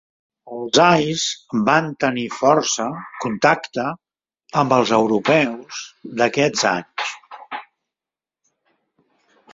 Els ais van tenir força contacte amb els europeus d'aquells anys.